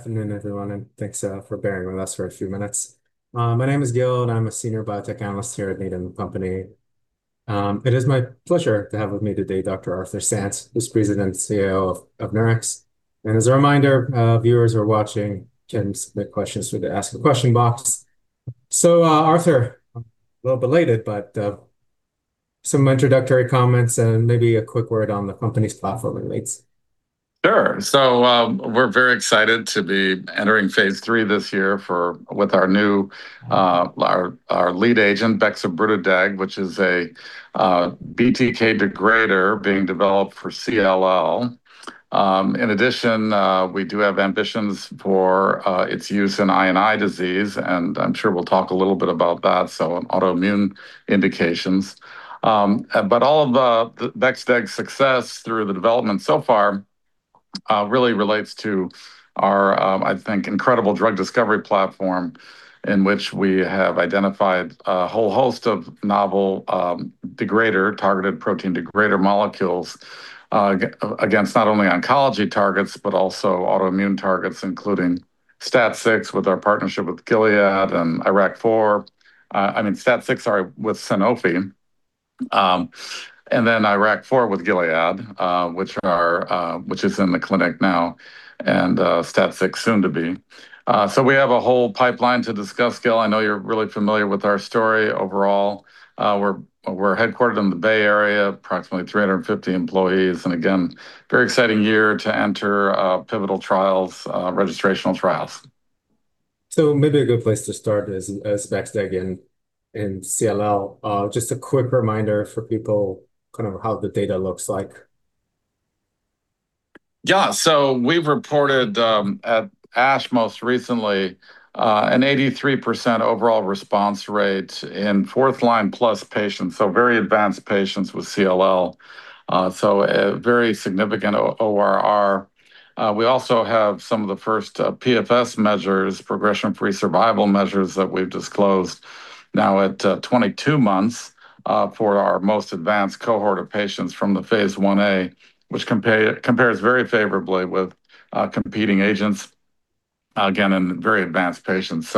Afternoon, everyone, and thanks for bearing with us for a few minutes. My name is Gil, and I'm a Senior Biotech Analyst here at Needham and Company. It is my pleasure to have with me today Dr. Arthur Sands, who's President and CEO of Nurix. As a reminder, viewers who are watching can submit questions through the Ask a Question box. Arthur, a little belated, but some introductory comments and maybe a quick word on the company's platform and pipeline. Sure. We're very excited to be entering phase III this year with our lead agent, Bexobrutideg, which is a BTK degrader being developed for CLL. In addition, we do have ambitions for its use in I&I disease, and I'm sure we'll talk a little bit about that in autoimmune indications. All of the Bex deg success through the development so far really relates to our, I think, incredible drug discovery platform in which we have identified a whole host of novel degrader, targeted protein degrader molecules, against not only oncology targets, but also autoimmune targets, including STAT6 with our partnership with Gilead and IRAK4, I mean STAT6, sorry, with Sanofi, and then IRAK4 with Gilead, which is in the clinic now and STAT6 soon to be. We have a whole pipeline to discuss. Gil, I know you're really familiar with our story overall. We're headquartered in the Bay Area, approximately 350 employees, and again, very exciting year to enter pivotal trials, registrational trials. Maybe a good place to start is bex deg in CLL. Just a quick reminder for people how the data looks like. Yeah, we've reported, at ASH most recently, an 83% overall response rate in fourth-line+ patients, very advanced patients with CLL, a very significant ORR. We also have some of the first PFS measures, progression-free survival measures, that we've disclosed now at 22 months for our most advanced cohort of patients from the phase Ia, which compares very favorably with competing agents, again, in very advanced patients.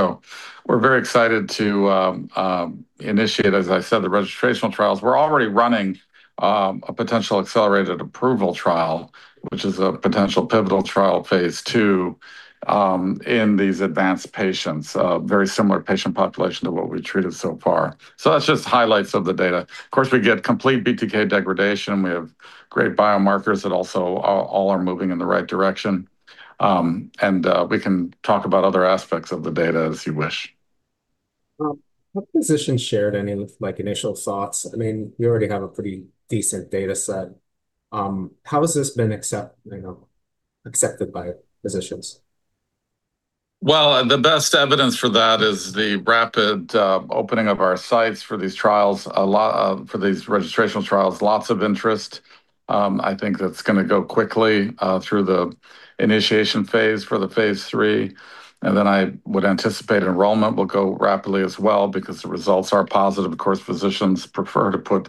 We're very excited to initiate, as I said, the registrational trials. We're already running a potential accelerated approval trial, which is a potential pivotal trial phase II in these advanced patients, a very similar patient population to what we've treated so far. That's just highlights of the data. Of course, we get complete BTK degradation. We have great biomarkers that also all are moving in the right direction. We can talk about other aspects of the data as you wish. Have physicians shared any initial thoughts? You already have a pretty decent data set. How has this been accepted by physicians? Well, the best evidence for that is the rapid opening of our sites for these registrational trials. Lots of interest. I think that's going to go quickly through the initiation phase for the phase III, and then I would anticipate enrollment will go rapidly as well because the results are positive. Of course, physicians prefer to put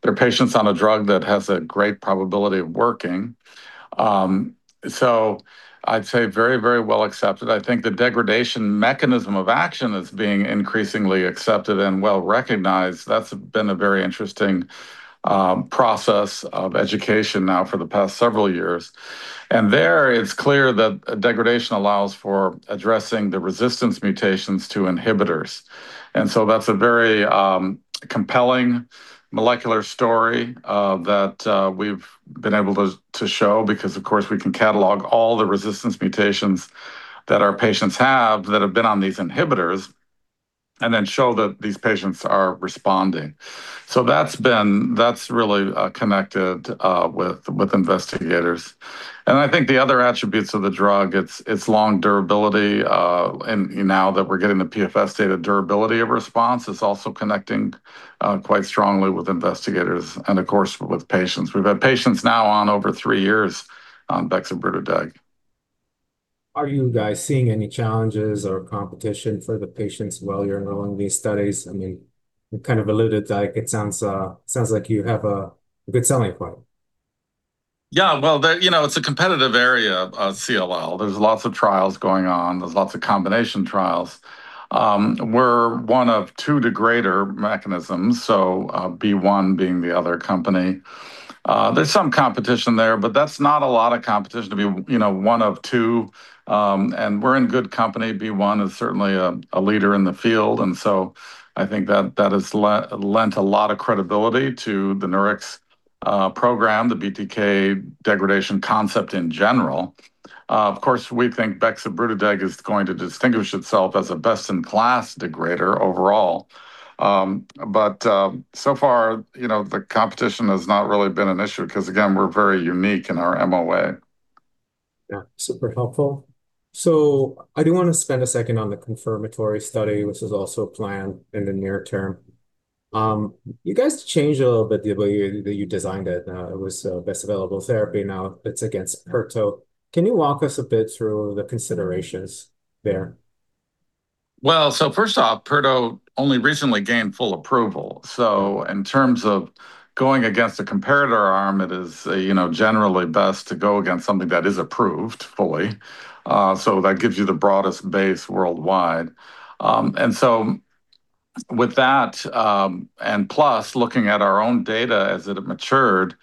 their patients on a drug that has a great probability of working. I'd say very well accepted. I think the degradation mechanism of action is being increasingly accepted and well-recognized. That's been a very interesting process of education now for the past several years. There it's clear that degradation allows for addressing the resistance mutations to inhibitors. That's a very compelling molecular story that we've been able to show because, of course, we can catalog all the resistance mutations that our patients have that have been on these inhibitors, and then show that these patients are responding. That's really connected with investigators. I think the other attributes of the drug, its long durability, and now that we're getting the PFS data, durability of response is also connecting quite strongly with investigators and of course, with patients. We've had patients now on over three years on Bexobrutideg. Are you guys seeing any challenges or competition for the patients while you're enrolling these studies? You kind of alluded that it sounds like you have a good selling point. Yeah. Well, it's a competitive area, CLL. There's lots of trials going on. There's lots of combination trials. We're one of two degrader mechanisms, BeOne being the other company. There's some competition there, but that's not a lot of competition to be one of two. We're in good company. BeOne is certainly a leader in the field, and so I think that has lent a lot of credibility to the Nurix program, the BTK degradation concept in general. Of course, we think Bexobrutideg is going to distinguish itself as a best-in-class degrader overall. So far, the competition has not really been an issue because, again, we're very unique in our MOA. Yeah. Super helpful. I do want to spend a second on the confirmatory study, which is also planned in the near term. You guys changed a little bit the way that you designed it. It was best available therapy. Now it's against pirtobrutinib. Can you walk us a bit through the considerations there? Well, first off, pirtobrutinib only recently gained full approval. In terms of going against a comparator arm, it is generally best to go against something that is approved fully. That gives you the broadest base worldwide. With that, and plus looking at our own data as it had matured,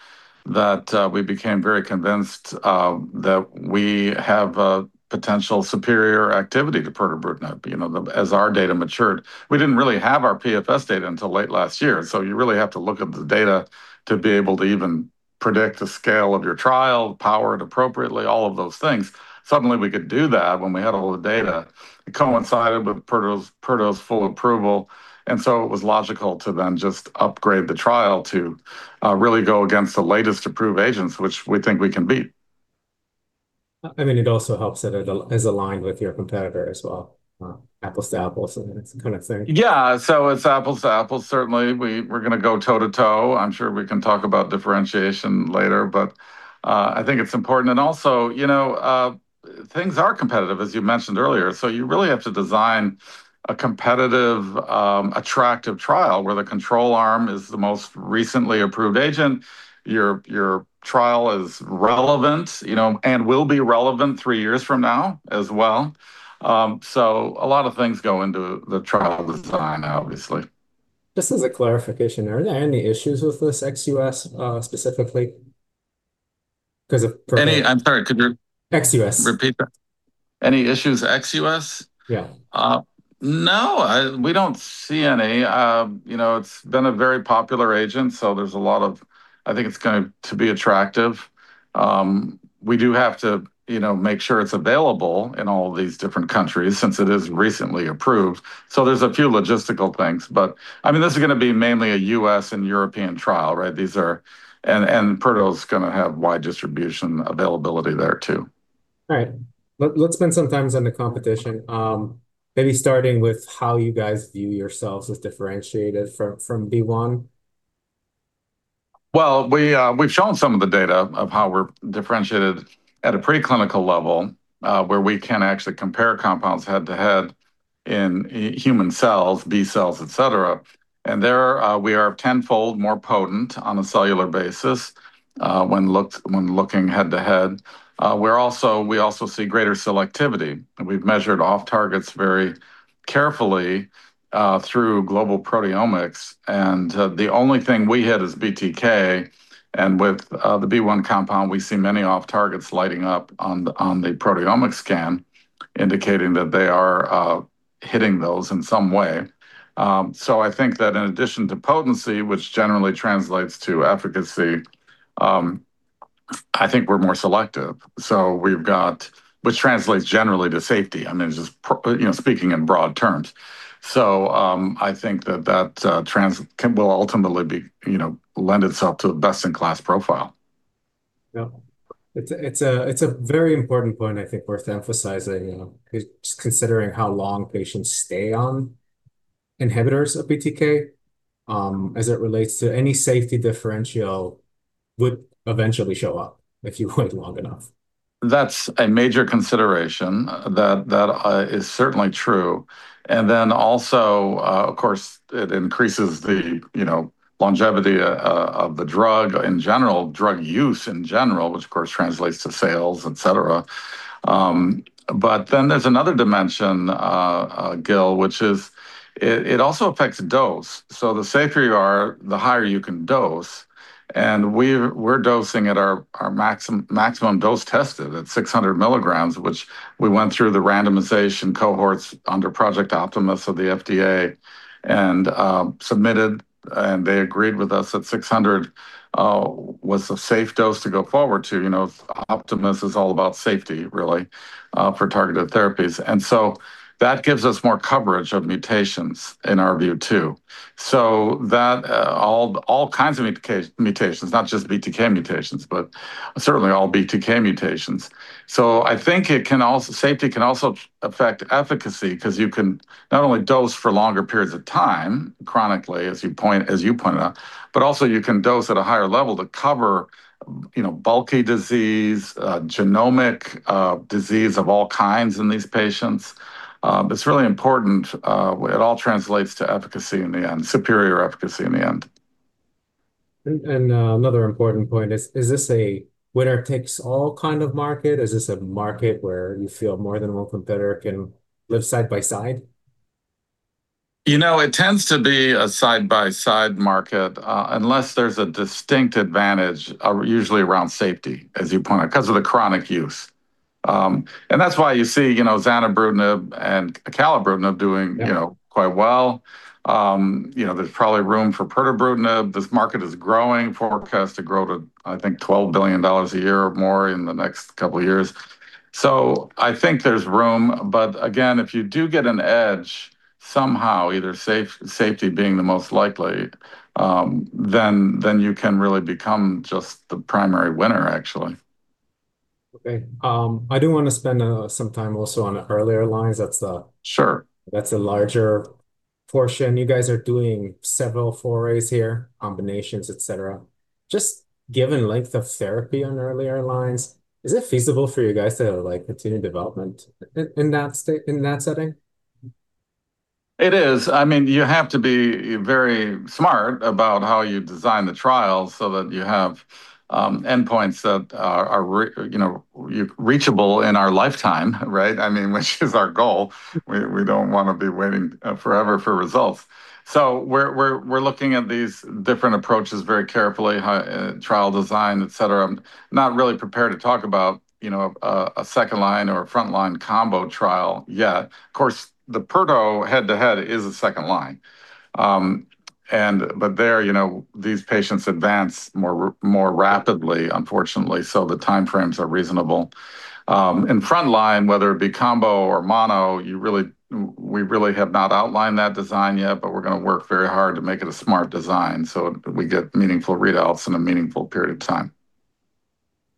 that we became very convinced that we have a potential superior activity to pirtobrutinib, you know, as our data matured. We didn't really have our PFS data until late last year, so you really have to look at the data to be able to even predict the scale of your trial, power it appropriately, all of those things. Suddenly we could do that when we had all the data. It coincided with Pirto's full approval, and so it was logical to then just upgrade the trial to really go against the latest approved agents, which we think we can beat. I mean, it also helps that it is aligned with your competitor as well, apples to apples and that kind of thing. Yeah. It's apples to apples. Certainly, we're going to go toe to toe. I'm sure we can talk about differentiation later, but I think it's important. Also things are competitive, as you mentioned earlier, so you really have to design a competitive, attractive trial where the control arm is the most recently approved agent. Your trial is relevant, and will be relevant three years from now as well. A lot of things go into the trial design, obviously. Just as a clarification, are there any issues with this ex-U.S., specifically? I'm sorry, could you? Ex-US Repeat that? Any issues ex-U.S.? Yeah. No. We don't see any. It's been a very popular agent. I think it's going to be attractive. We do have to make sure it's available in all these different countries since it is recently approved. There's a few logistical things, but this is going to be mainly a U.S. and European trial, right? Pirtobrutinib's going to have wide distribution availability there too. Right. Let's spend some time on the competition, maybe starting with how you guys view yourselves as differentiated from BeOne. Well, we've shown some of the data of how we're differentiated at a preclinical level, where we can actually compare compounds head-to-head in human cells, B cells, et cetera. There we are 10-fold more potent on a cellular basis when looking head-to-head. We also see greater selectivity. We've measured off-targets very carefully through global proteomics, and the only thing we hit is BTK, and with the BeOne compound, we see many off-targets lighting up on the proteomics scan, indicating that they are hitting those in some way. I think that in addition to potency, which generally translates to efficacy, I think we're more selective. We've got, which translates generally to safety, I mean, just speaking in broad terms. I think that will ultimately lend itself to a best-in-class profile. Yeah. It's a very important point, I think worth emphasizing, considering how long patients stay on inhibitors of BTK as it relates to any safety differential would eventually show up if you wait long enough. That's a major consideration. That is certainly true. Also, of course, it increases the longevity of the drug in general, drug use in general, which of course translates to sales, et cetera. There's another dimension, Gil, which is it also affects dose. The safer you are, the higher you can dose. We're dosing at our maximum dose tested at 600 mg, which we went through the randomization cohorts under Project Optimus of the FDA and submitted, and they agreed with us that 600 was a safe dose to go forward to. Optimus is all about safety, really, for targeted therapies. That gives us more coverage of mutations in our view too. All kinds of mutations, not just BTK mutations, but certainly all BTK mutations. I think safety can also affect efficacy because you can not only dose for longer periods of time chronically, as you pointed out, but also you can dose at a higher level to cover bulky disease, genomic disease of all kinds in these patients. It's really important. It all translates to efficacy in the end, superior efficacy in the end. Another important point is this a winner-takes-all kind of market? Is this a market where you feel more than one competitor can live side by side? It tends to be a side-by-side market, unless there's a distinct advantage, usually around safety, as you pointed, because of the chronic use. That's why you see zanubrutinib and acalabrutinib. Yeah Quite well. There's probably room for Pirtobrutinib. This market is growing, forecast to grow to, I think, $12 billion a year or more in the next couple of years. I think there's room. Again, if you do get an edge somehow, either safety being the most likely, then you can really become just the primary winner actually. Okay. I do want to spend some time also on the earlier lines. Sure That's the larger portion. You guys are doing several forays here, combinations, et cetera. Just given length of therapy on earlier lines, is it feasible for you guys to continue development in that setting? It is. You have to be very smart about how you design the trials so that you have endpoints that are reachable in our lifetime, right, which is our goal. We don't want to be waiting forever for results. We're looking at these different approaches very carefully, trial design, et cetera. I'm not really prepared to talk about a second-line or a front-line combo trial yet. Of course, the pirtobrutinib head-to-head is a second-line. There, these patients advance more rapidly, unfortunately, so the time frames are reasonable. In front line, whether it be combo or mono, we really have not outlined that design yet, but we're going to work very hard to make it a smart design, so we get meaningful readouts in a meaningful period of time.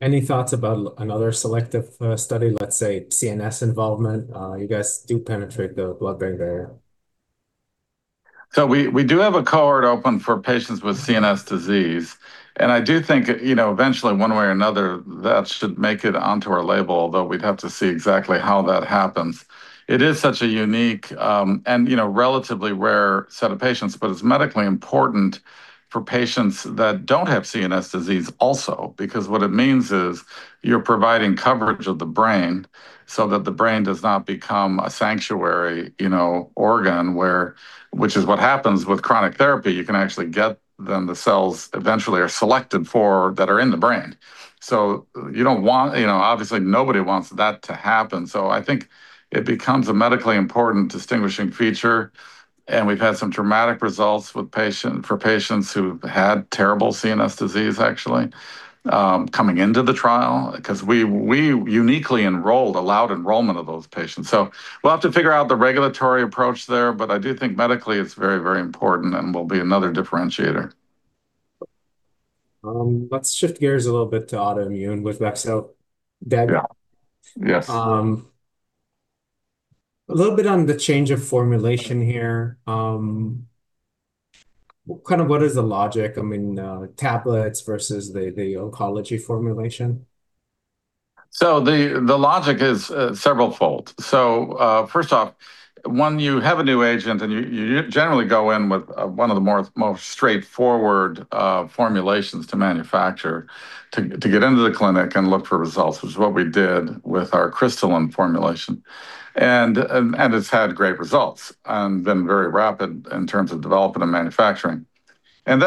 Any thoughts about another selective study, let's say, CNS involvement? You guys do penetrate the blood-brain barrier. So we do have a cohort open for patients with CNS disease. And I do think, eventually, one way or another, that should make it onto our label, although we'd have to see exactly how that happens. It is such a unique, and relatively rare set of patients, but it's medically important for patients that don't have CNS disease also. Because what it means is you're providing coverage of the brain so that the brain does not become a sanctuary organ, which is what happens with chronic therapy. You can actually get, then the cells eventually are selected for that are in the brain. So obviously, nobody wants that to happen. So I think it becomes a medically important distinguishing feature, and we've had some dramatic results for patients who've had terrible CNS disease, actually, coming into the trial. Because we uniquely enrolled, allowed enrollment of those patients. We'll have to figure out the regulatory approach there, but I do think medically it's very, very important and will be another differentiator. Let's shift gears a little bit to autoimmune with Bexobrutideg. Yeah. Yes. A little bit on the change of formulation here, what is the logic, tablets versus the oncology formulation? The logic is severalfold. First off, when you have a new agent and you generally go in with one of the more straightforward formulations to manufacture to get into the clinic and look for results, which is what we did with our crystalline formulation. It's had great results and been very rapid in terms of development and manufacturing. With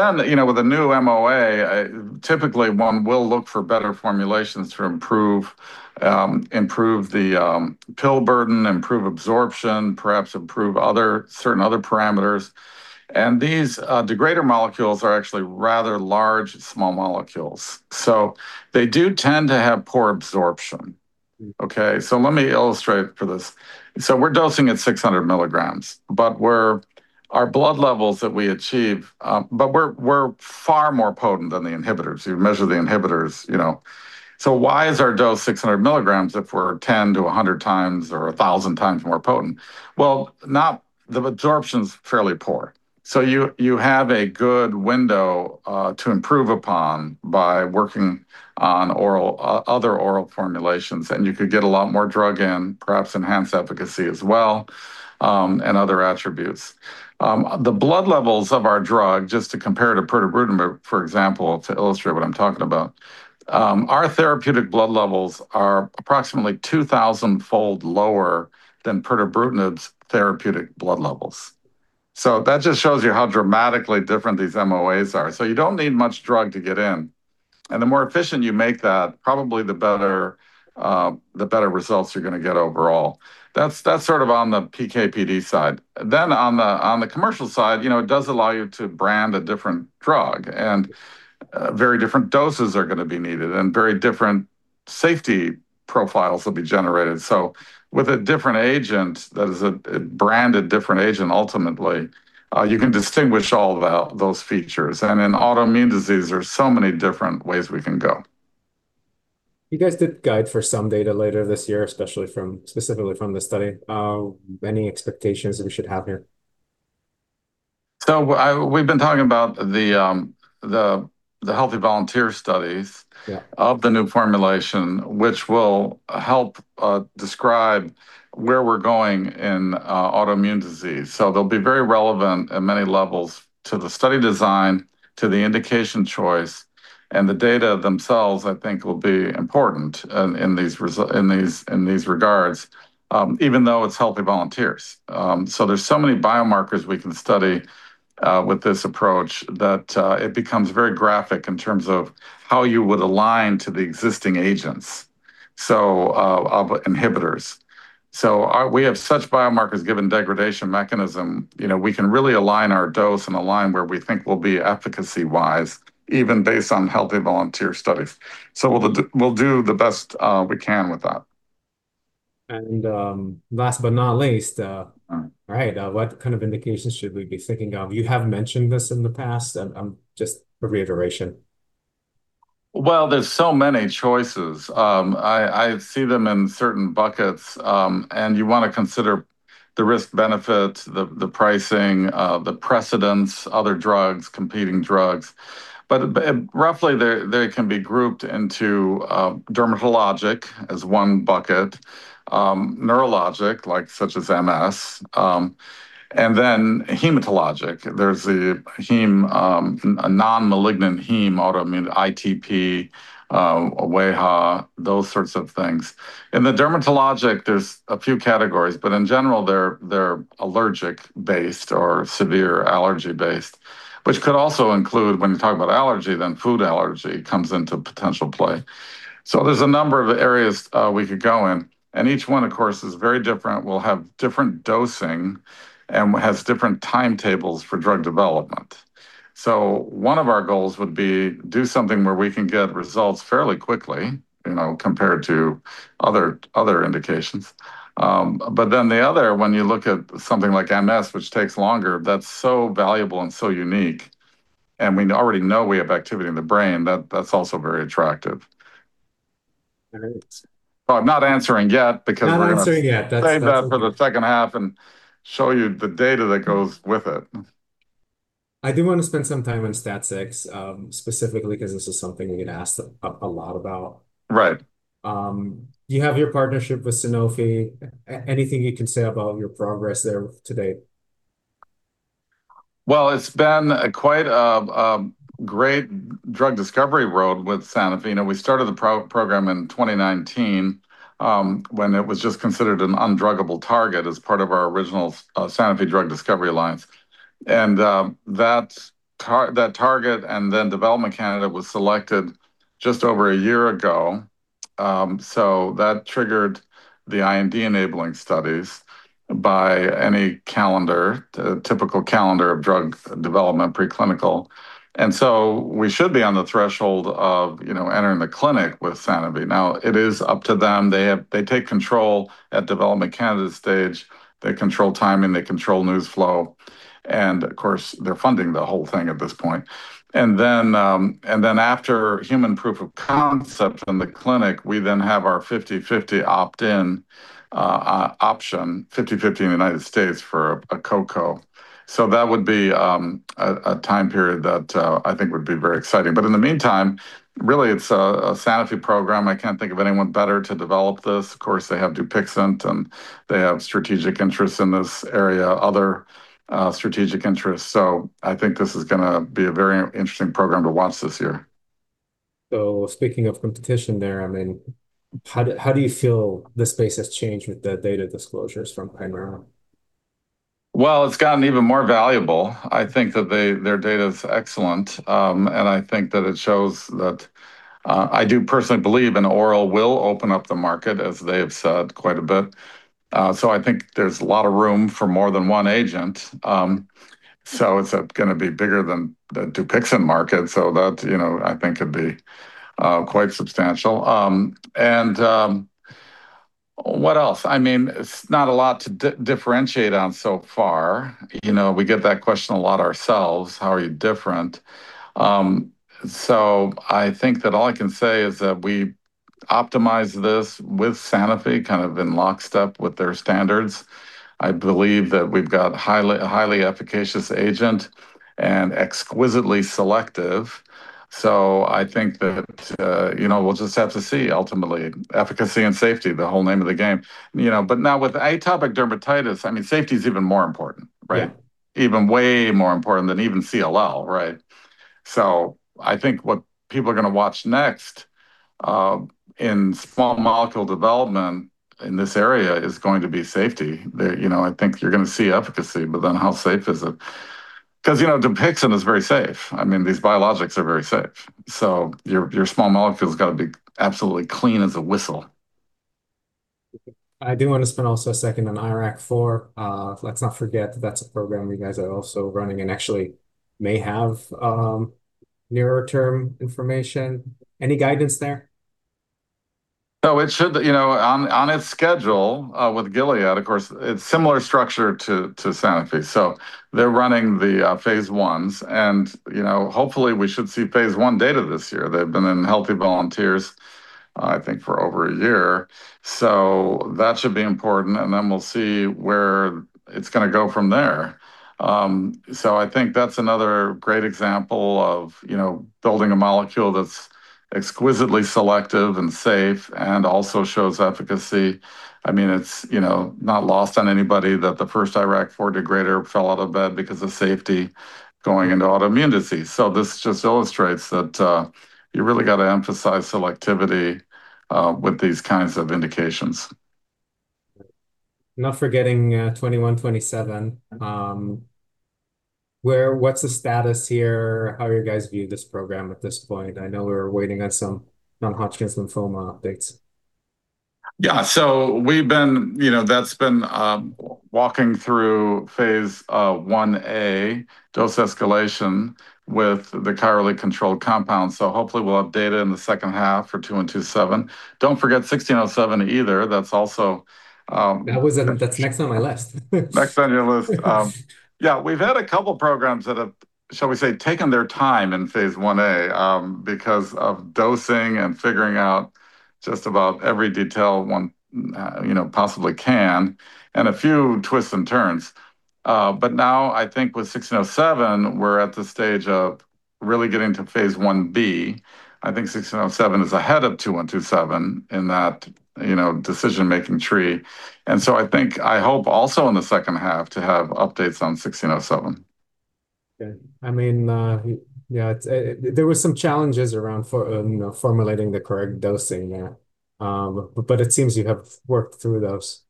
a new MOA, typically one will look for better formulations to improve the pill burden, improve absorption, perhaps improve certain other parameters. These degrader molecules are actually rather large, small molecules. They do tend to have poor absorption. Okay? Let me illustrate for this. We're dosing at 600 milligrams. Our blood levels that we achieve, but we're far more potent than the inhibitors. You measure the inhibitors. Why is our dose 600 mg if we're 10x-100x or 1,000x more potent? Well, the absorption's fairly poor. You have a good window to improve upon by working on other oral formulations, and you could get a lot more drug in, perhaps enhance efficacy as well, and other attributes. The blood levels of our drug, just to compare to Pirtobrutinib, for example, to illustrate what I'm talking about. Our therapeutic blood levels are approximately 2,000-fold lower than Pirtobrutinib's therapeutic blood levels. That just shows you how dramatically different these MOAs are. You don't need much drug to get in. The more efficient you make that, probably the better results you're going to get overall. That's sort of on the PK/PD side. On the commercial side, it does allow you to brand a different drug, and very different doses are going to be needed, and very different safety profiles will be generated. With a different agent, that is a branded different agent, ultimately, you can distinguish all of those features. In autoimmune disease, there's so many different ways we can go. You guys did guide for some data later this year, specifically from this study. Any expectations we should have here? We've been talking about the healthy volunteer studies. Yeah Of the new formulation, which will help describe where we're going in autoimmune disease. They'll be very relevant at many levels to the study design, to the indication choice, and the data themselves, I think, will be important in these regards, even though it's healthy volunteers. There's so many biomarkers we can study with this approach that it becomes very graphic in terms of how you would align to the existing agents or inhibitors. We have such biomarkers given degradation mechanism. We can really align our dose and align where we think we'll be efficacy-wise, even based on healthy volunteer studies. We'll do the best we can with that. Last but not least. All right. All right. What kind of indications should we be thinking of? You have mentioned this in the past, just a reiteration. Well, there's so many choices. I see them in certain buckets. You want to consider the risk benefits, the pricing, the precedents, other drugs, competing drugs. Roughly, they can be grouped into dermatologic as one bucket, neurologic, such as MS, and then hematologic. There's the heme, a non-malignant heme, autoimmune, ITP, wAIHA, those sorts of things. In the dermatologic, there's a few categories, but in general, they're allergic-based or severe allergy-based, which could also include, when you talk about allergy, then food allergy comes into potential play. There's a number of areas we could go in, and each one, of course, is very different, will have different dosing, and has different timetables for drug development. One of our goals would be do something where we can get results fairly quickly, compared to other indications. The other, when you look at something like MS, which takes longer, that's so valuable and so unique, and we already know we have activity in the brain. That's also very attractive. All right. I'm not answering yet because we're going to. Not answering yet. Save that for the second half and show you the data that goes with it. I do want to spend some time on STAT6, specifically because this is something we get asked a lot about. Right. You have your partnership with Sanofi. Anything you can say about your progress there to date? Well, it's been quite a great drug discovery road with Sanofi. We started the program in 2019, when it was just considered an undruggable target as part of our original Sanofi drug discovery alliance. That target and then development candidate was selected just over a year ago. That triggered the IND-enabling studies by any calendar, typical calendar of drug development preclinical. We should be on the threshold of entering the clinic with Sanofi. Now, it is up to them. They take control at development candidate stage. They control timing. They control news flow. Of course, they're funding the whole thing at this point. After human proof of concept in the clinic, we then have our 50/50 opt-in option, 50/50 in the United States for a co-co. That would be a time period that I think would be very exciting. In the meantime, really, it's a Sanofi program. I can't think of anyone better to develop this. Of course, they have Dupixent, and they have strategic interests in this area, other strategic interests. I think this is going to be a very interesting program to watch this year. Speaking of competition there, how do you feel the space has changed with the data disclosures from Kymera? Well, it's gotten even more valuable. I think that their data is excellent, and I think that it shows that I do personally believe an oral will open up the market, as they have said quite a bit. I think there's a lot of room for more than one agent. It's going to be bigger than the Dupixent market. That I think could be quite substantial. What else? It's not a lot to differentiate on so far. We get that question a lot ourselves. How are you different? I think that all I can say is that we optimize this with Sanofi kind of in lockstep with their standards. I believe that we've got a highly efficacious agent and exquisitely selective. I think that we'll just have to see ultimately. Efficacy and safety, the whole name of the game. Now with atopic dermatitis, safety is even more important, right? Yeah. Even way more important than even CLL, right? I think what people are going to watch next in small molecule development in this area is going to be safety. I think you're going to see efficacy, but then how safe is it? Because Dupixent is very safe. These biologics are very safe. Your small molecule's got to be absolutely clean as a whistle. I do want to spend also a second on IRAK4. Let's not forget that that's a program you guys are also running and actually may have nearer-term information. Any guidance there? No. It should on its schedule with Gilead, of course, it's similar structure to Sanofi. So they're running the phase Is, and hopefully we should see phase I data this year. They've been in healthy volunteers, I think, for over a year. So that should be important, and then we'll see where it's going to go from there. So I think that's another great example of building a molecule that's exquisitely selective and safe and also shows efficacy. It's not lost on anybody that the first IRAK4 degrader fell out of bed because of safety going into autoimmune disease. So this just illustrates that you really got to emphasize selectivity with these kinds of indications. Not forgetting NX-2127, what's the status here? How do you guys view this program at this point? I know we're waiting on some non-Hodgkin's lymphoma updates. Yeah. That's been walking through phase Ia dose escalation with the chirally controlled compound. Hopefully we'll have data in the second half for NX-2127. Don't forget NX-1607 either. That's next on my list. Next on your list. Yeah, we've had a couple programs that have, shall we say, taken their time in phase Ia because of dosing and figuring out just about every detail one possibly can, and a few twists and turns. Now, I think with NX-1607, we're at the stage of really getting to phase Ib. I think NX-1607 is ahead of NX-2127 in that decision-making tree. I hope also in the second half to have updates on NX-1607. Okay, there were some challenges around formulating the correct dosing. It seems you have worked through those.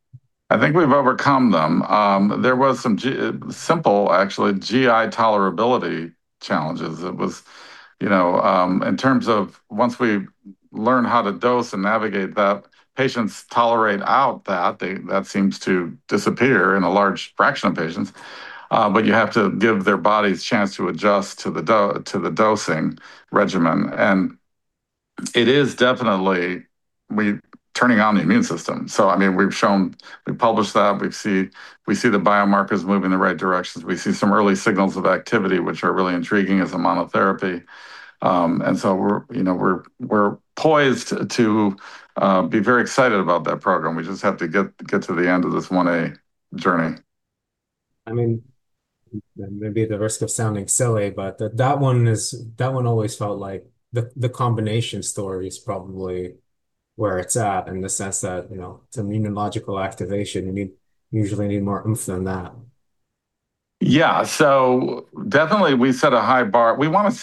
I think we've overcome them. There was some simple, actually, GI tolerability challenges. In terms of once we learn how to dose and navigate that, patients tolerate out that. That seems to disappear in a large fraction of patients. You have to give their bodies a chance to adjust to the dosing regimen. It is definitely turning on the immune system. We've published that. We see the biomarkers moving in the right directions. We see some early signals of activity, which are really intriguing as a monotherapy. We're poised to be very excited about that program. We just have to get to the end of this I-A journey. Maybe at the risk of sounding silly, but that one always felt like the combination story is probably where it's at, in the sense that it's immunological activation. You usually need more oomph than that. Yeah. Definitely we set a high bar. We want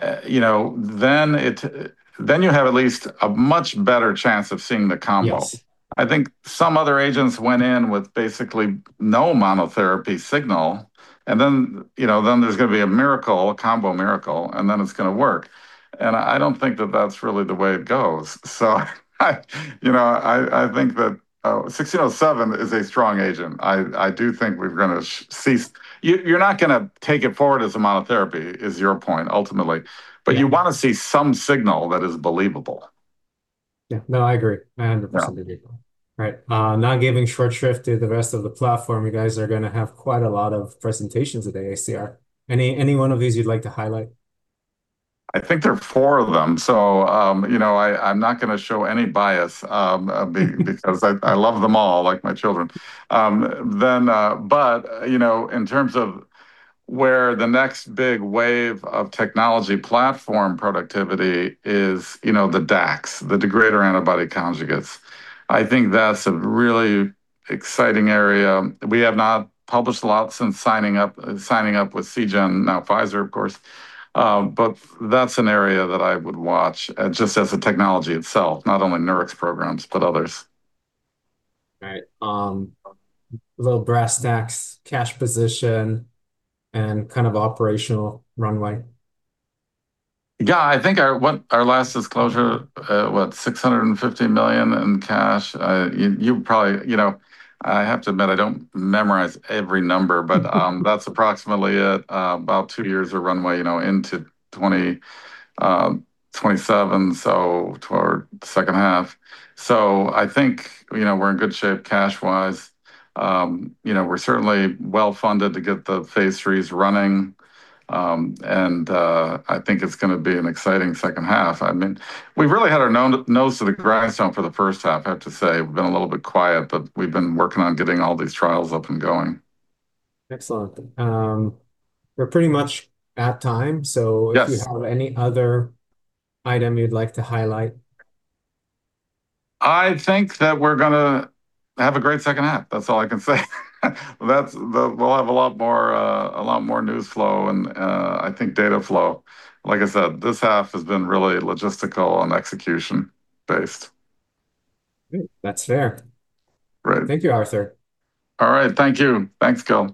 to see some monotherapy activity. I think that then you have at least a much better chance of seeing the combo. Yes. I think some other agents went in with basically no monotherapy signal. There's going to be a miracle, a combo miracle, and then it's going to work. I don't think that that's really the way it goes. I think that NX-1607 is a strong agent. You're not going to take it forward as a monotherapy, is your point, ultimately. Yeah. You want to see some signal that is believable. Yeah, no, I agree 100%. Yeah. All right. Not giving short shrift to the rest of the platform, you guys are going to have quite a lot of presentations at AACR. Any one of these you'd like to highlight? I think there are four of them, so I'm not going to show any bias because I love them all like my children. In terms of where the next big wave of technology platform productivity is, the DACs, the degrader antibody conjugates, I think that's a really exciting area. We have not published a lot since signing up with Seagen, now Pfizer, of course. That's an area that I would watch, just as the technology itself, not only Nurix programs, but others. Right, a little brass tacks, cash position, and kind of operational runway. Yeah, I think our last disclosure, what? $650 million in cash. I have to admit, I don't memorize every number. That's approximately it, about two years of runway into 2027, so toward the second half. I think we're in good shape cash-wise. We're certainly well-funded to get the phase III's running. I think it's going to be an exciting second half. We've really had our nose to the grindstone for the first half, I have to say. We've been a little bit quiet, but we've been working on getting all these trials up and going. Excellent. We're pretty much at time. Yes. If you have any other item you'd like to highlight. I think that we're going to have a great second half. That's all I can say. We'll have a lot more news flow, and I think data flow. Like I said, this half has been really logistical and execution-based. Great. That's fair. Right. Thank you, Arthur. All right. Thank you. Thanks, Gil.